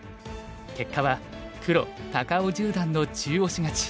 結果は黒高尾十段の中押し勝ち。